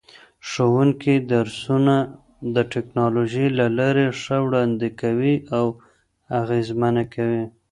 ښوونکي درسونه د ټکنالوژۍ له لارې ښه وړاندې کوي او اغېزمنه کوي.